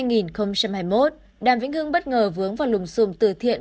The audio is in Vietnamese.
giữa năm hai nghìn hai mươi một đàm vĩnh hương bất ngờ vướng vào lùng xùm từ thiện